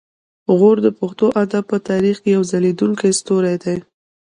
غور د پښتو ادب په تاریخ کې یو ځلیدونکی ستوری دی